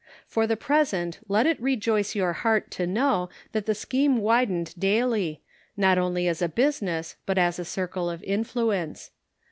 For the present let it rejoice your heart to know that the scheme widened daily, not only as a business, but as a circle of influence.